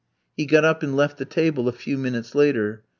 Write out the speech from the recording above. He got up and left the table a few minutes later.